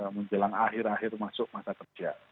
menjelang akhir akhir masuk masa kerja